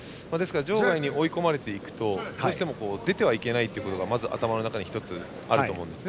場外に追い込まれるとどうしても出てはいけないところが頭の中に１つあると思うんです。